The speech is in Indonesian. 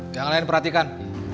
jangan lelahin perhatikan